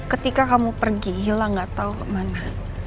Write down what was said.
ketika kamu pergi hilang gak tau kemana